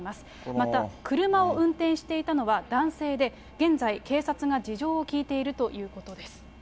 また車を運転していたのは男性で、現在、警察が事情を聴いているということです。